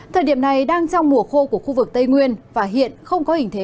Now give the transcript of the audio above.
thời điểm này đang trong mùa khô của khu vực tây nguyên và hiện không có hình thế